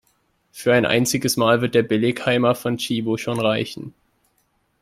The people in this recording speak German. Für ein einziges Mal wird der Billigheimer von Tchibo schon reichen.